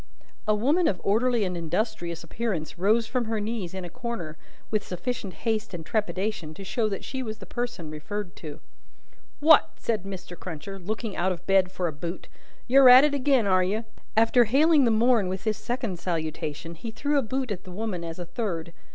A woman of orderly and industrious appearance rose from her knees in a corner, with sufficient haste and trepidation to show that she was the person referred to. "What!" said Mr. Cruncher, looking out of bed for a boot. "You're at it agin, are you?" After hailing the morn with this second salutation, he threw a boot at the woman as a third.